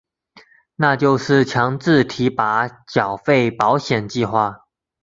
那就是强制提拨缴费保险计划。